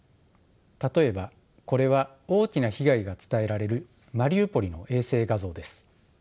例えばこれは大きな被害が伝えられるマリウポリの衛星画像です。